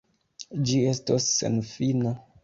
Ĝi estos senfina.